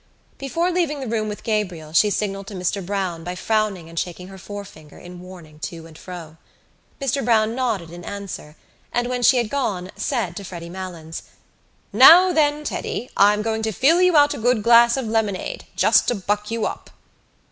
Before leaving the room with Gabriel she signalled to Mr Browne by frowning and shaking her forefinger in warning to and fro. Mr Browne nodded in answer and, when she had gone, said to Freddy Malins: "Now, then, Teddy, I'm going to fill you out a good glass of lemonade just to buck you up."